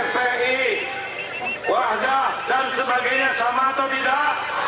fpw wahdah dan sebagainya sama atau tidak